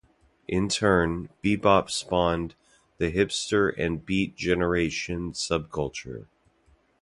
In turn, bebop spawned the hipster and beat generation subculture.